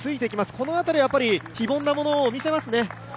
この辺りは非凡なものを見せますね。